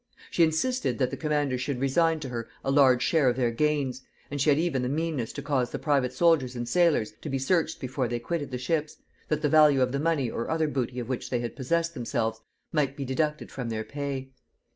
She insisted that the commanders should resign to her a large share of their gains; and she had even the meanness to cause the private soldiers and sailors to be searched before they quitted the ships, that the value of the money or other booty of which they had possessed themselves might be deducted from their pay.